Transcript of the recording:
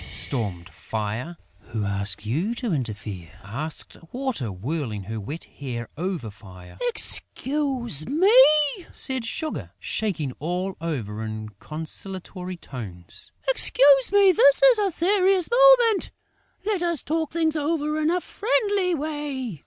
stormed Fire. "Who asked you to interfere?" asked Water, whirling her wet hair over Fire. "Excuse me," said Sugar, shaking all over, in conciliatory tones. "Excuse me.... This is a serious moment.... Let us talk things over in a friendly way."